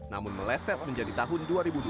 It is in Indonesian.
namun meleset menjadi tahun dua ribu dua puluh